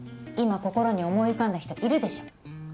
今心に思い浮かんだ人いるでしょ？